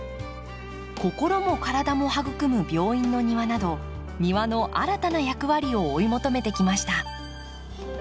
心も体も育む病院の庭など庭の新たな役割を追い求めてきました。